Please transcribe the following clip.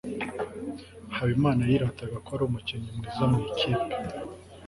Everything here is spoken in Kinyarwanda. habimana yirataga ko ari umukinnyi mwiza mu ikipe